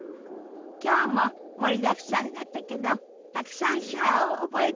きょうも盛りだくさんだったけどたくさん手話を覚えたでしょ？